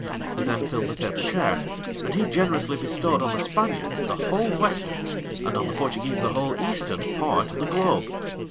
who then filled the papal chair; and he generously bestowed on the Spaniards the whole western, and on the Portuguese the whole eastern part of the globe.